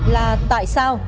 là tại sao